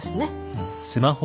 うん。